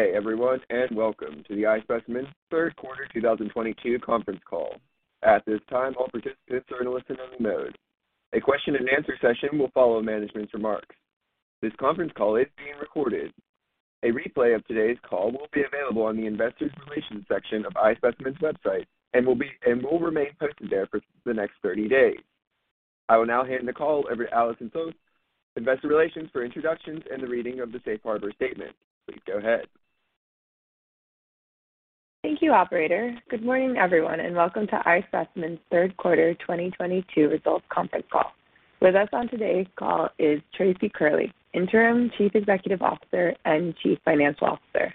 Good day, everyone, and welcome to the iSpecimen third quarter 2022 conference call. At this time, all participants are in listen-only mode. A question and answer session will follow management's remarks. This conference call is being recorded. A replay of today's call will be available on the investor relations section of iSpecimen's website and will remain posted there for the next 30 days. I will now hand the call over to Allison Soss, investor relations for introductions and the reading of the safe harbor statement. Please go ahead. Thank you, operator. Good morning, everyone, and welcome to iSpecimen's third quarter 2022 results conference call. With us on today's call is Tracy Curley, Interim Chief Executive Officer and Chief Financial Officer.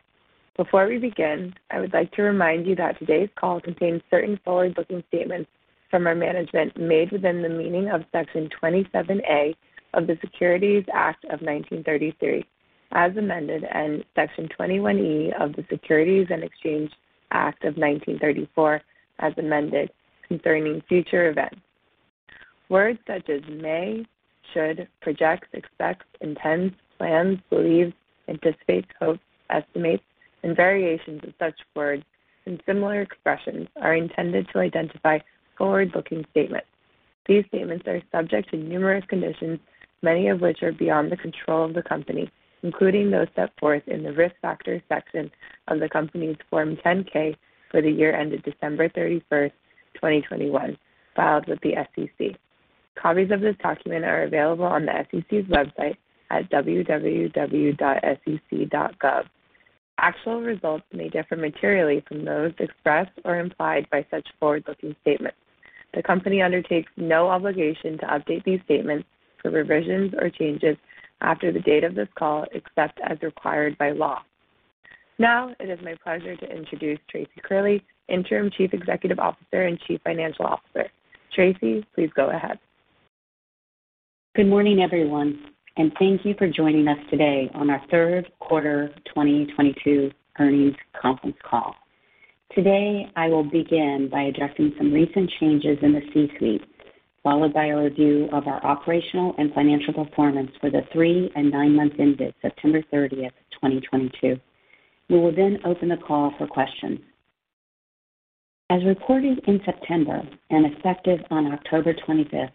Before we begin, I would like to remind you that today's call contains certain forward-looking statements from our management made within the meaning of Section 27A of the Securities Act of 1933, as amended, and Section 21E of the Securities Exchange Act of 1934, as amended, concerning future events. Words such as may, should, projects, expects, intends, plans, believes, anticipates, hopes, estimates, and variations of such words and similar expressions are intended to identify forward-looking statements. These statements are subject to numerous conditions, many of which are beyond the control of the company, including those set forth in the Risk Factors section of the company's Form 10-K for the year ended December 31, 2021, filed with the SEC. Copies of this document are available on the SEC's website at www.sec.gov. Actual results may differ materially from those expressed or implied by such forward-looking statements. The company undertakes no obligation to update these statements for revisions or changes after the date of this call, except as required by law. Now, it is my pleasure to introduce Tracy Curley, Interim Chief Executive Officer and Chief Financial Officer. Tracy, please go ahead. Good morning, everyone, and thank you for joining us today on our third quarter 2022 earnings conference call. Today, I will begin by addressing some recent changes in the C-suite, followed by a review of our operational and financial performance for the three and nine months ended September 30, 2022. We will then open the call for questions. As reported in September and effective on October 25,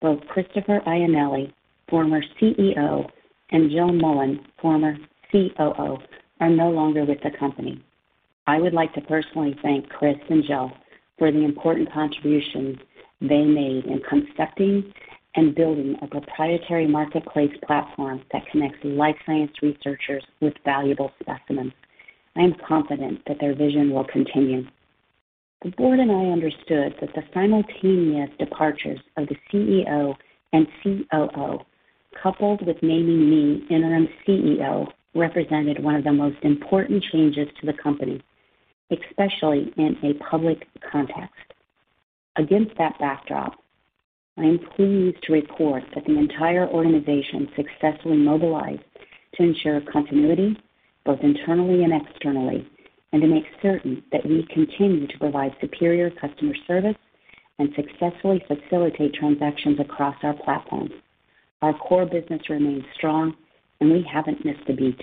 both Christopher Ianelli, former CEO, and Jill Mullan, former COO, are no longer with the company. I would like to personally thank Chris and Jill for the important contributions they made in constructing and building a proprietary marketplace platform that connects life science researchers with valuable specimens. I am confident that their vision will continue. The board and I understood that the simultaneous departures of the CEO and COO, coupled with naming me interim CEO, represented one of the most important changes to the company, especially in a public context. Against that backdrop, I am pleased to report that the entire organization successfully mobilized to ensure continuity both internally and externally, and to make certain that we continue to provide superior customer service and successfully facilitate transactions across our platforms. Our core business remains strong, and we haven't missed a beat.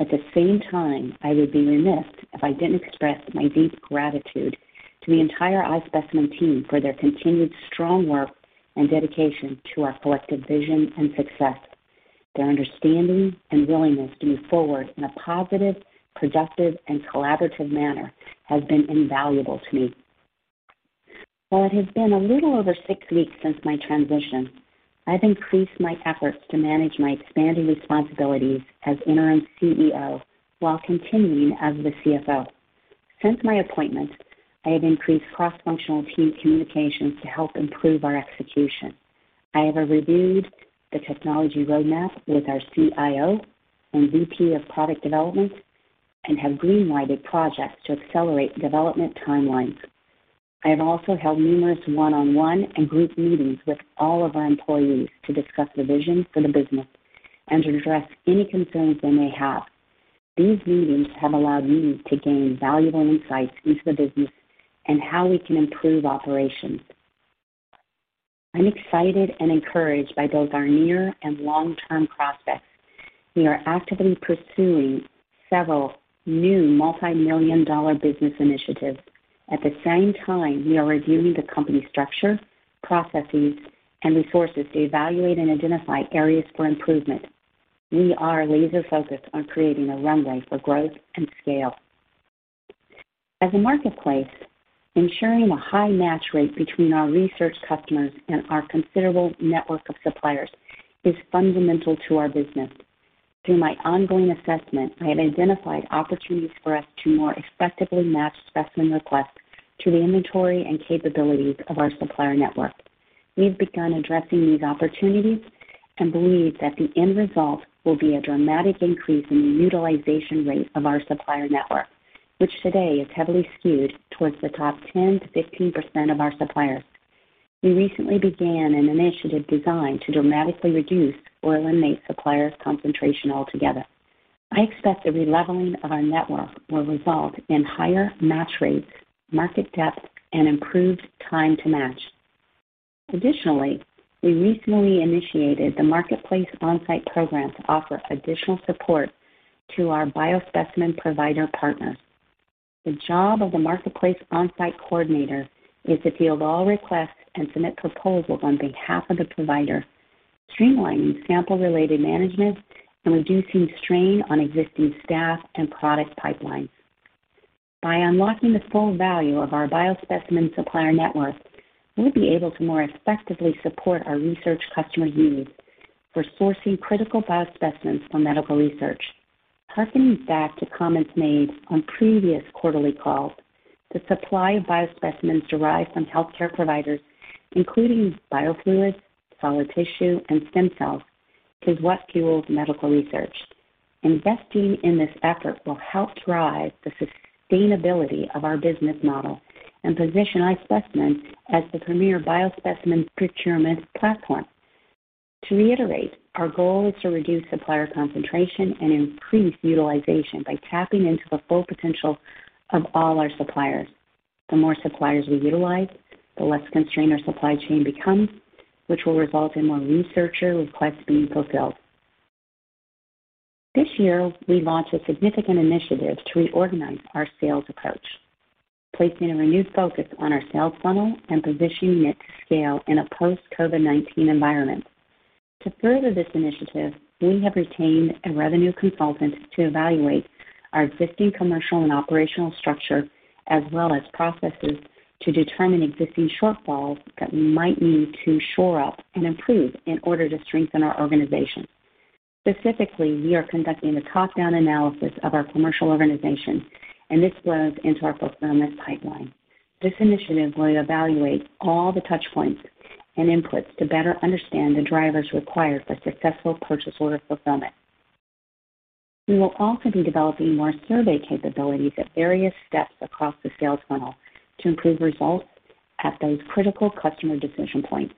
At the same time, I would be remiss if I didn't express my deep gratitude to the entire iSpecimen team for their continued strong work and dedication to our collective vision and success. Their understanding and willingness to move forward in a positive, productive, and collaborative manner has been invaluable to me. While it has been a little over six weeks since my transition, I've increased my efforts to manage my expanding responsibilities as interim CEO while continuing as the CFO. Since my appointment, I have increased cross-functional team communications to help improve our execution. I have reviewed the technology roadmap with our CIO and VP of product development and have green-lighted projects to accelerate development timelines. I have also held numerous one-on-one and group meetings with all of our employees to discuss the vision for the business and to address any concerns they may have. These meetings have allowed me to gain valuable insights into the business and how we can improve operations. I'm excited and encouraged by both our near and long-term prospects. We are actively pursuing several new multi-million dollar business initiatives. At the same time, we are reviewing the company structure, processes, and resources to evaluate and identify areas for improvement. We are laser-focused on creating a runway for growth and scale. As a marketplace, ensuring a high match rate between our research customers and our considerable network of suppliers is fundamental to our business. Through my ongoing assessment, I have identified opportunities for us to more effectively match specimen requests to the inventory and capabilities of our supplier network. We've begun addressing these opportunities and believe that the end result will be a dramatic increase in the utilization rate of our supplier network, which today is heavily skewed towards the top 10%-15% of our suppliers. We recently began an initiative designed to dramatically reduce or eliminate suppliers' concentration altogether. I expect the re-leveling of our network will result in higher match rates, market depth, and improved time to match. Additionally, we recently initiated the Marketplace Onsite program to offer additional support to our biospecimen provider partners. The job of the Marketplace Onsite coordinator is to field all requests and submit proposals on behalf of the provider, streamlining sample-related management and reducing strain on existing staff and product pipelines. By unlocking the full value of our biospecimen supplier network, we'll be able to more effectively support our research customer needs for sourcing critical biospecimens for medical research. Harkening back to comments made on previous quarterly calls, the supply of biospecimens derived from healthcare providers, including biofluids, solid tissue, and stem cells, is what fuels medical research. Investing in this effort will help drive the sustainability of our business model and position iSpecimen as the premier biospecimen procurement platform. To reiterate, our goal is to reduce supplier concentration and increase utilization by tapping into the full potential of all our suppliers. The more suppliers we utilize, the less constrained our supply chain becomes, which will result in more researcher requests being fulfilled. This year, we launched a significant initiative to reorganize our sales approach, placing a renewed focus on our sales funnel and positioning it to scale in a post-COVID-19 environment. To further this initiative, we have retained a revenue consultant to evaluate our existing commercial and operational structure as well as processes to determine existing shortfalls that we might need to shore up and improve in order to strengthen our organization. Specifically, we are conducting a top-down analysis of our commercial organization, and this flows into our fulfillment pipeline. This initiative will evaluate all the touch points and inputs to better understand the drivers required for successful purchase order fulfillment. We will also be developing more survey capabilities at various steps across the sales funnel to improve results at those critical customer decision points.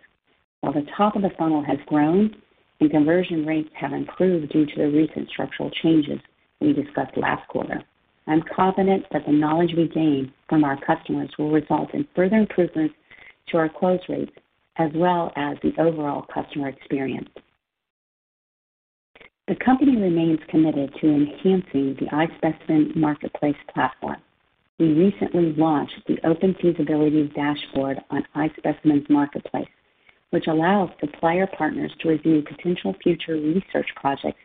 While the top of the funnel has grown and conversion rates have improved due to the recent structural changes we discussed last quarter, I'm confident that the knowledge we gain from our customers will result in further improvements to our close rates as well as the overall customer experience. The company remains committed to enhancing the iSpecimen Marketplace platform. We recently launched the Open Feasibilities Dashboard on iSpecimen's Marketplace, which allows supplier partners to review potential future research projects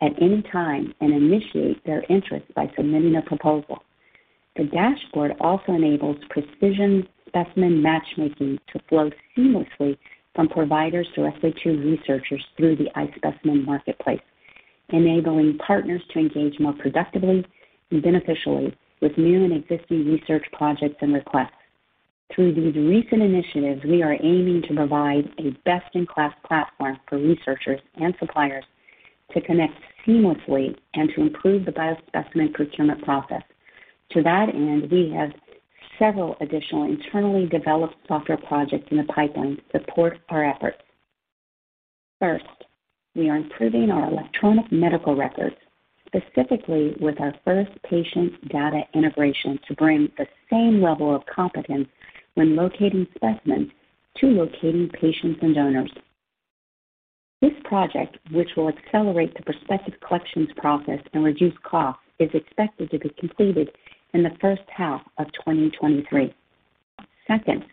at any time and initiate their interest by submitting a proposal. The dashboard also enables precision specimen matchmaking to flow seamlessly from providers to researchers through the iSpecimen Marketplace, enabling partners to engage more productively and beneficially with new and existing research projects and requests. Through these recent initiatives, we are aiming to provide a best-in-class platform for researchers and suppliers to connect seamlessly and to improve the biospecimen procurement process. To that end, we have several additional internally developed software projects in the pipeline to support our efforts. First, we are improving our electronic medical records, specifically with our first patient data integration, to bring the same level of convenience when locating specimens to locating patients and donors. This project, which will accelerate the prospective collections process and reduce costs, is expected to be completed in the first half of 2023. Second,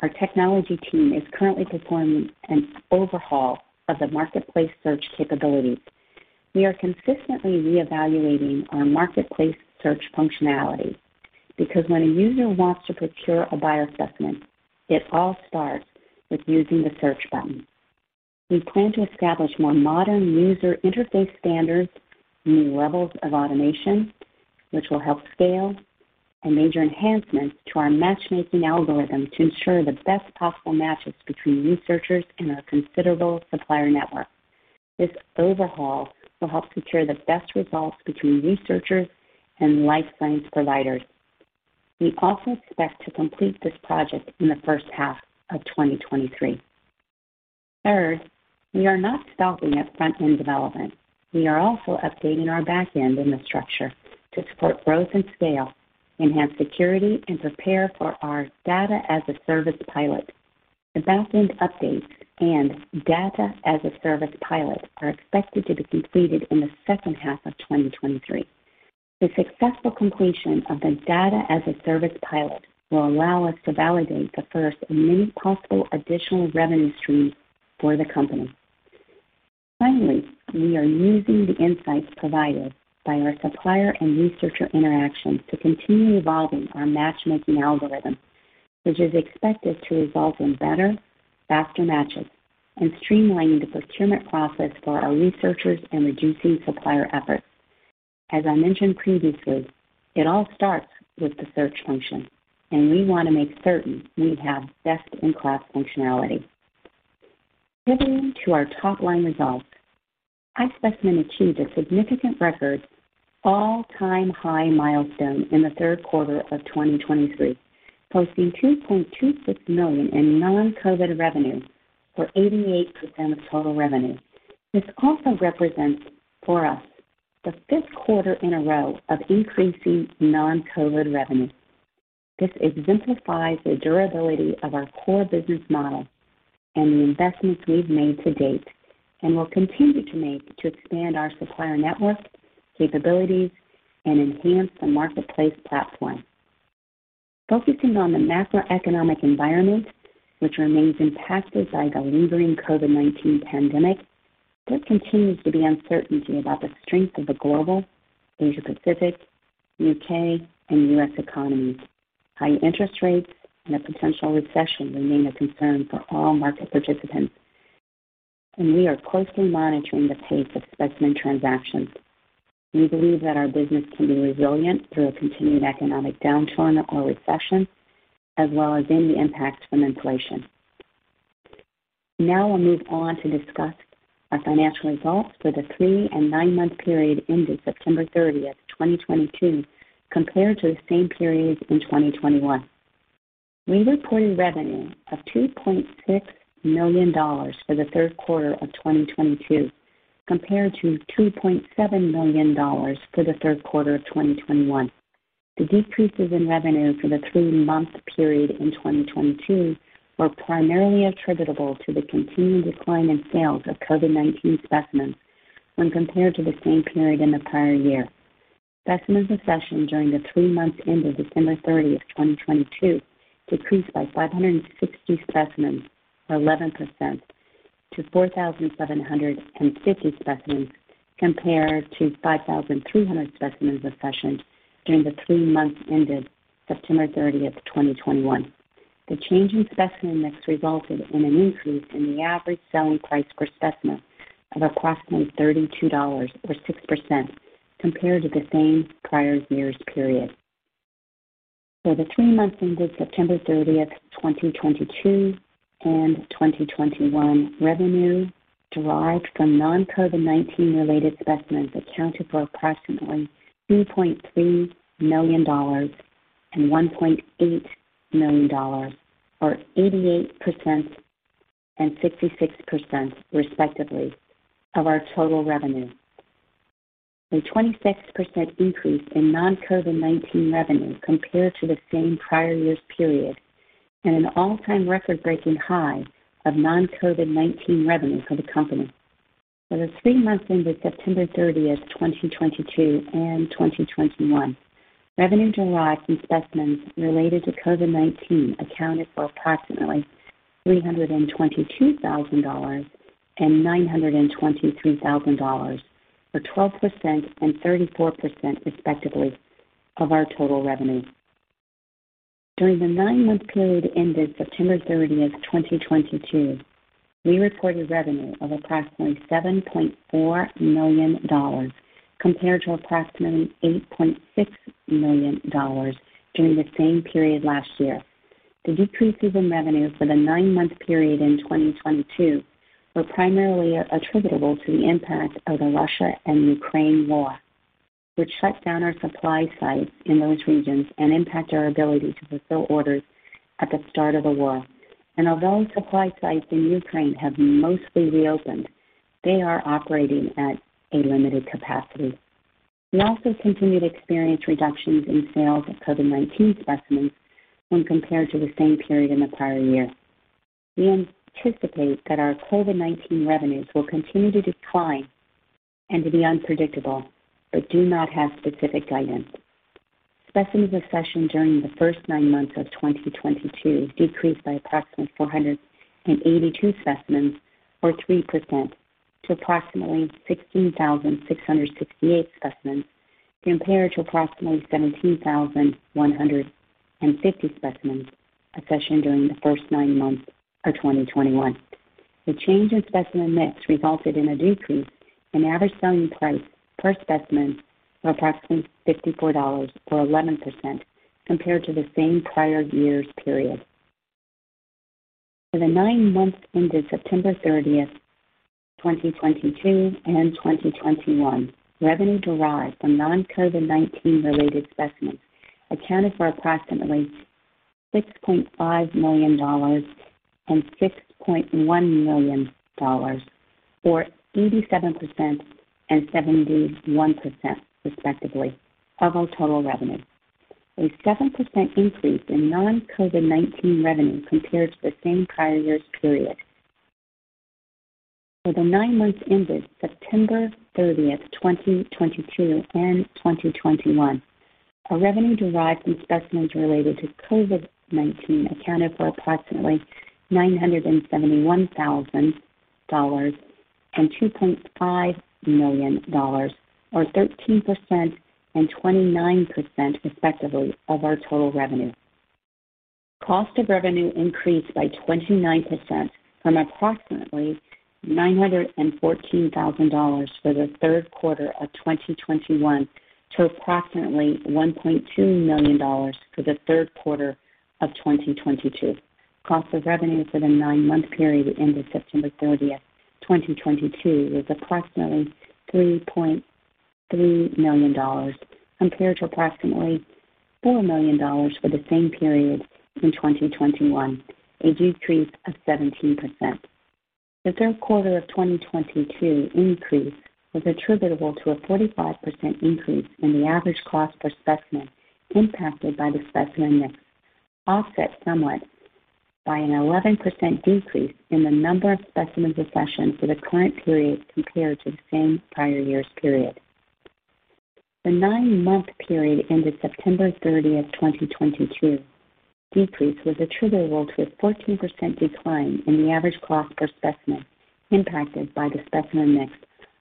our technology team is currently performing an overhaul of the marketplace search capabilities. We are consistently reevaluating our marketplace search functionality because when a user wants to procure a biospecimen, it all starts with using the search button. We plan to establish more modern user interface standards, new levels of automation which will help scale, and major enhancements to our matchmaking algorithm to ensure the best possible matches between researchers and our considerable supplier network. This overhaul will help secure the best results between researchers and life science providers. We also expect to complete this project in the first half of 2023. Third, we are not stopping at front-end development. We are also updating our back end infrastructure to support growth and scale, enhance security, and prepare for our Data as a Service pilot. The back end updates and Data as a Service pilot are expected to be completed in the second half of 2023. The successful completion of the Data as a Service pilot will allow us to validate the first in many possible additional revenue streams for the company. Finally, we are using the insights provided by our supplier and researcher interactions to continue evolving our matchmaking algorithm, which is expected to result in better, faster matches and streamlining the procurement process for our researchers and reducing supplier efforts. As I mentioned previously, it all starts with the search function, and we want to make certain we have best-in-class functionality. Pivoting to our top-line results, iSpecimen achieved a significant record all-time high milestone in the third quarter of 2023, posting $2.26 million in non-COVID revenue for 88% of total revenue. This also represents for us. The fifth quarter in a row of increasing non-COVID revenue. This exemplifies the durability of our core business model and the investments we've made to date and will continue to make to expand our supplier network capabilities and enhance the marketplace platform. Focusing on the macroeconomic environment, which remains impacted by the lingering COVID-19 pandemic, there continues to be uncertainty about the strength of the global, Asia Pacific, UK, and US economies. High interest rates and a potential recession remain a concern for all market participants, and we are closely monitoring the pace of specimen transactions. We believe that our business can be resilient through a continued economic downturn or recession, as well as any impact from inflation. Now we'll move on to discuss our financial results for the 3- and 9-month period ended September 30, 2022, compared to the same period in 2021. We reported revenue of $2.6 million for the third quarter of 2022, compared to $2.7 million for the third quarter of 2021. The decreases in revenue for the three-month period in 2022 were primarily attributable to the continued decline in sales of COVID-19 specimens when compared to the same period in the prior year. Specimens accessioned during the three months ended September 30, 2022 decreased by 560 specimens, or 11%, to 4,750 specimens, compared to 5,300 specimens accessioned during the three months ended September 30, 2021. The change in specimen mix resulted in an increase in the average selling price per specimen of approximately $32 or 6% compared to the same prior year's period. For the three months ended September 30, 2022 and 2021, revenue derived from non-COVID-19 related specimens accounted for approximately $2.3 million and $1.8 million, or 88% and 66%, respectively, of our total revenue. A 26% increase in non-COVID-19 revenue compared to the same prior year's period, and an all-time record-breaking high of non-COVID-19 revenue for the company. For the three months ended September 30, 2022 and 2021, revenue derived from specimens related to COVID-19 accounted for approximately $322 thousand and $923 thousand, or 12% and 34%, respectively, of our total revenue. During the nine-month period ended September 30, 2022, we reported revenue of approximately $7.4 million compared to approximately $8.6 million during the same period last year. The decreases in revenue for the nine-month period in 2022 were primarily attributable to the impact of the Russia and Ukraine war, which shut down our supply sites in those regions and impacted our ability to fulfill orders at the start of the war. Although supply sites in Ukraine have mostly reopened, they are operating at a limited capacity. We also continued to experience reductions in sales of COVID-19 specimens when compared to the same period in the prior year. We anticipate that our COVID-19 revenues will continue to decline and to be unpredictable, but do not have specific guidance. Specimens accessioned during the first nine months of 2022 decreased by approximately 482 specimens, or 3%, to approximately 16,668 specimens compared to approximately 17,150 specimens accessioned during the first nine months of 2021. The change in specimen mix resulted in a decrease in average selling price per specimen of approximately $54 or 11% compared to the same prior year's period. For the nine months ended September 30, 2022 and 2021, revenue derived from non-COVID-19 related specimens accounted for approximately $6.5 million and $6.1 million, or 87% and 71%, respectively, of our total revenue. A 7% increase in non-COVID-19 revenue compared to the same prior year's period. For the nine months ended September 30, 2022 and 2021, our revenue derived from specimens related to COVID-19 accounted for approximately $971 thousand and $2.5 million, or 13% and 29%, respectively, of our total revenue. Cost of revenue increased by 29% from approximately $914,000 for the third quarter of 2021 to approximately $1.2 million for the third quarter of 2022. Cost of revenue for the nine-month period ended September 30, 2022 was approximately $3.3 million compared to approximately $4 million for the same period in 2021, a decrease of 17%. The third quarter of 2022 increase was attributable to a 45% increase in the average cost per specimen impacted by the specimen mix, offset somewhat by an 11% decrease in the number of specimens' accession for the current period compared to the same prior year's period. The nine-month period ended September 30, 2022. Decrease was attributable to a 14% decline in the average cost per specimen impacted by the specimen mix,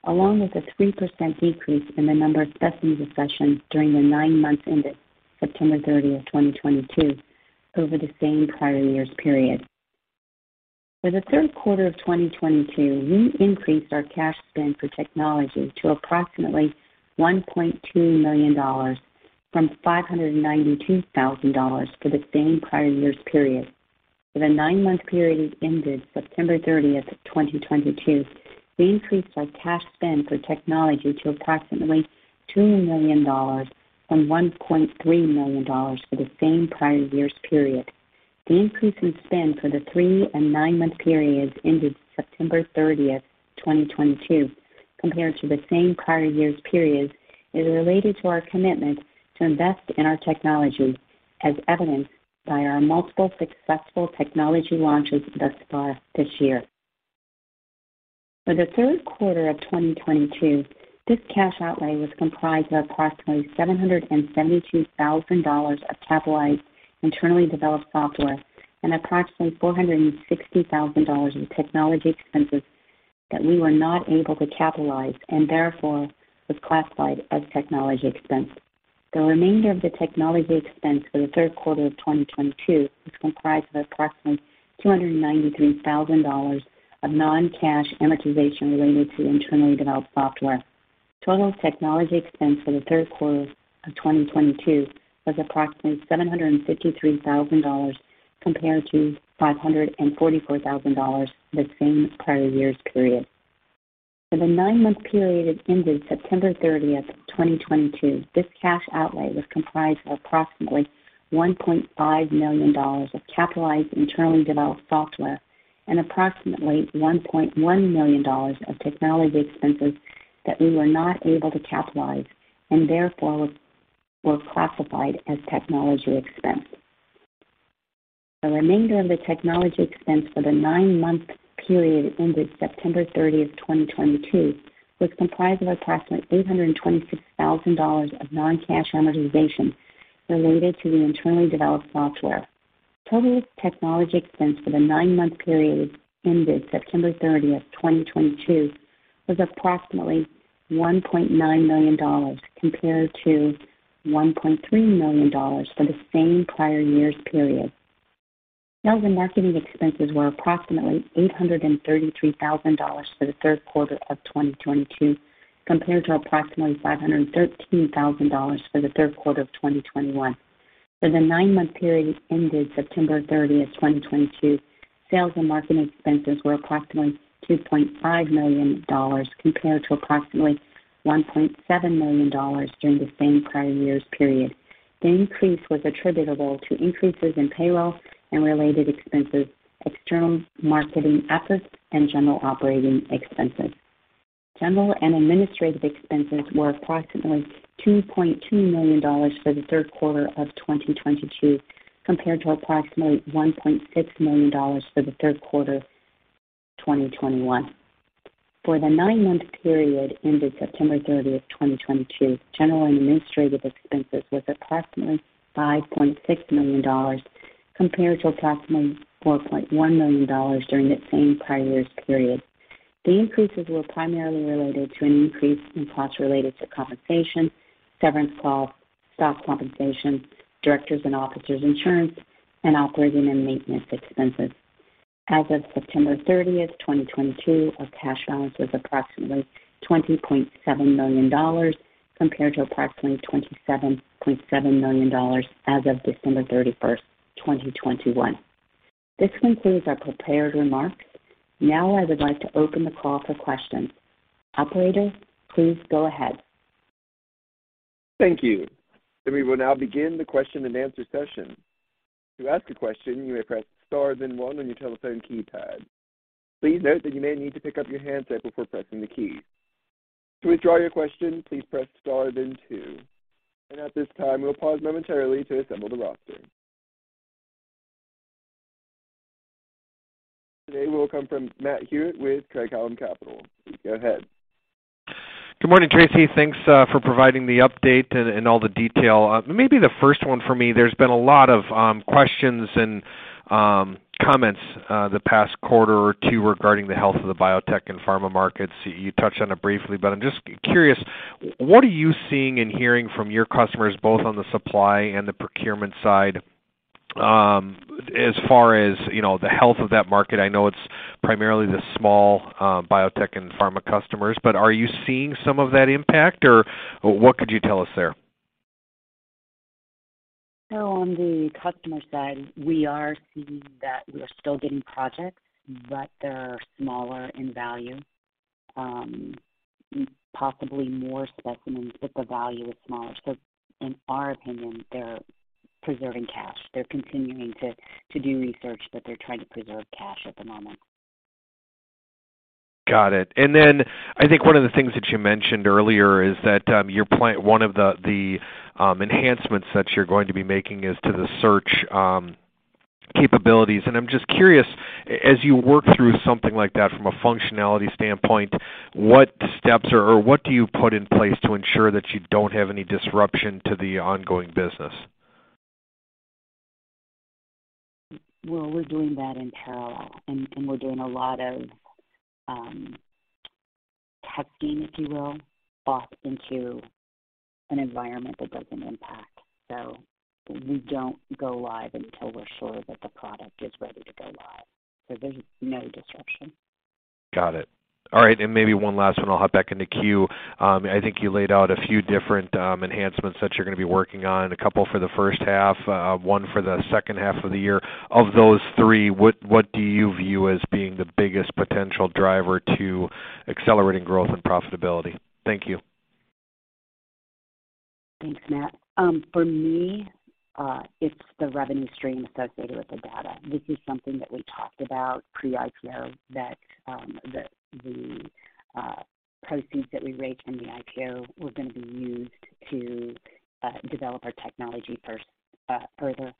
along with a 3% decrease in the number of specimens' accession during the nine months ended September 30, 2022 over the same prior year's period. For the third quarter of 2022, we increased our cash spend for technology to approximately $1.2 million from $592,000 for the same prior year's period. For the nine-month period ended September 30, 2022, we increased our cash spend for technology to approximately $2 million from $1.3 million for the same prior year's period. The increase in spend for the 3- and 9-month periods ended September 30, 2022 compared to the same prior year's periods is related to our commitment to invest in our technology, as evidenced by our multiple successful technology launches thus far this year. For the third quarter of 2022, this cash outlay was comprised of approximately $772,000 of capitalized internally developed software and approximately $460,000 in technology expenses that we were not able to capitalize and therefore was classified as technology expense. The remainder of the technology expense for the third quarter of 2022 was comprised of approximately $293,000 of non-cash amortization related to the internally developed software. Total technology expense for the third quarter of 2022 was approximately $753,000 compared to $544,000 the same prior year's period. For the nine-month period ended September 30th, 2022, this cash outlay was comprised of approximately $1.5 million of capitalized internally developed software and approximately $1.1 million of technology expenses that we were not able to capitalize and therefore were classified as technology expense. The remainder of the technology expense for the nine-month period ended September 30th, 2022, was comprised of approximately $826,000 of non-cash amortization related to the internally developed software. Total technology expense for the nine-month period ended September 30th, 2022, was approximately $1.9 million compared to $1.3 million for the same prior year's period. Sales and marketing expenses were approximately $833,000 for the third quarter of 2022, compared to approximately $513,000 for the third quarter of 2021. For the nine-month period ended September 30, 2022, sales and marketing expenses were approximately $2.5 million compared to approximately $1.7 million during the same prior year's period. The increase was attributable to increases in payroll and related expenses, external marketing efforts, and general operating expenses. General and administrative expenses were approximately $2.2 million for the third quarter of 2022, compared to approximately $1.6 million for the third quarter of 2021. For the 9-month period ended September 30, 2022, general and administrative expenses was approximately $5.6 million compared to approximately $4.1 million during the same prior year's period. The increases were primarily related to an increase in costs related to compensation, severance costs, stock compensation, directors and officers insurance, and operating and maintenance expenses. As of September 30, 2022, our cash balance was approximately $20.7 million compared to approximately $27.7 million as of December 31, 2021. This concludes our prepared remarks. Now I would like to open the call for questions. Operator, please go ahead. Thank you. We will now begin the question and answer session. To ask a question, you may press star then one on your telephone keypad. Please note that you may need to pick up your handset before pressing the key. To withdraw your question, please press star then two. At this time, we'll pause momentarily to assemble the roster. Today will come from Matt Hewitt with Craig-Hallum Capital Group LLC. Go ahead. Good morning, Tracy. Thanks for providing the update and all the detail. Maybe the first one for me, there's been a lot of questions and comments the past quarter or two regarding the health of the biotech and pharma markets. You touched on it briefly, but I'm just curious, what are you seeing and hearing from your customers both on the supply and the procurement side, as far as, you know, the health of that market? I know it's primarily the small biotech and pharma customers, but are you seeing some of that impact, or what could you tell us there? On the customer side, we are seeing that we are still getting projects, but they're smaller in value, possibly more specimens, but the value is smaller. In our opinion, they're preserving cash. They're continuing to do research, but they're trying to preserve cash at the moment. Got it. I think one of the things that you mentioned earlier is that, your plan, one of the enhancements that you're going to be making is to the search capabilities. I'm just curious, as you work through something like that from a functionality standpoint, what steps or what do you put in place to ensure that you don't have any disruption to the ongoing business? Well, we're doing that in parallel, and we're doing a lot of testing, if you will, off into an environment that doesn't impact. We don't go live until we're sure that the product is ready to go live. There's no disruption. Got it. All right. Maybe one last one, I'll hop back in the queue. I think you laid out a few different enhancements that you're gonna be working on, a couple for the first half, one for the second half of the year. Of those three, what do you view as being the biggest potential driver to accelerating growth and profitability? Thank you. Thanks, Matt. For me, it's the revenue stream associated with the data. This is something that we talked about pre-IPO that the proceeds that we raised in the IPO were gonna be used to develop our technology first, further.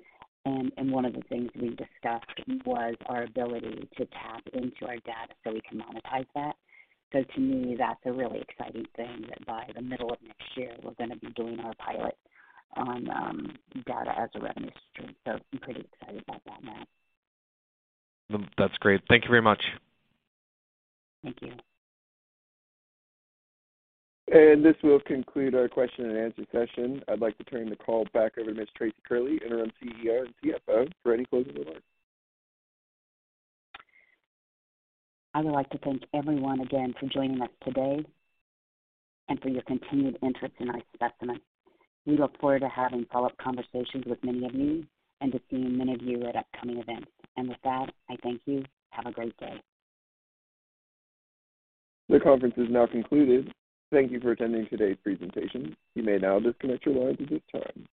One of the things we discussed was our ability to tap into our data so we can monetize that. To me, that's a really exciting thing that by the middle of next year, we're gonna be doing our pilot on data as a revenue stream. I'm pretty excited about that, Matt. That's great. Thank you very much. Thank you. This will conclude our question and answer session. I'd like to turn the call back over to Ms. Tracy Curley, Interim CEO and CFO for any closing remarks. I would like to thank everyone again for joining us today and for your continued interest in iSpecimen. We look forward to having follow-up conversations with many of you and to seeing many of you at upcoming events. With that, I thank you. Have a great day. The conference is now concluded. Thank you for attending today's presentation. You may now disconnect your lines at this time.